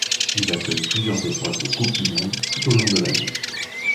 Il accueille plusieurs épreuves de coupes du monde tout au long de l'année.